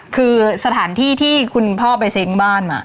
คือสถานที่ที่คุณพ่อไปเซ้งบ้าน